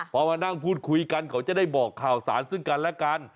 พอมานั่งพูดคุยกันเขาจะได้บอกข่าวสารซึ่งกันและกัน